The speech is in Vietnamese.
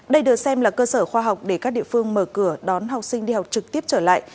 đây được xem là cơ sở khoa học để các địa phương mở cửa đón học sinh đi học trực tiếp trở lại